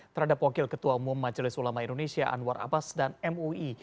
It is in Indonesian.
terhadap wakil ketua umum majelis ulama indonesia anwar abbas dan mui